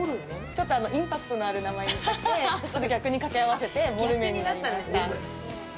ちょっとインパクトのある名前にしたくて逆にかけ合わせてモルメンになりました。